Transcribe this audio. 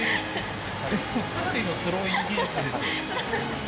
かなりのスローイング技術ですよ。